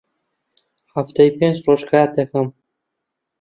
هەفتەی پێنج ڕۆژ کار دەکەم.